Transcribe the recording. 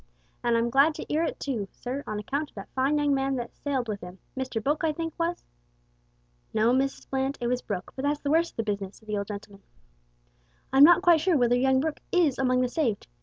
An' I'm glad to 'ear it too, sir, on account o' that fine young man that sailed with 'im Mr Book, I think, was " "No, Mrs Bland, it was Brooke; but that's the worst of the business," said the old gentleman; "I'm not quite sure whether young Brooke is among the saved.